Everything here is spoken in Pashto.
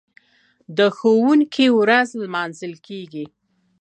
د ښوونکي ورځ لمانځل کیږي.